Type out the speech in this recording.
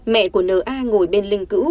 mẹ của n a ngồi bên linh cữu